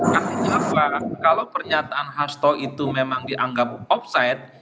karena apa kalau pernyataan hasto itu memang dianggap off site